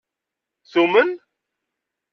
Tumen?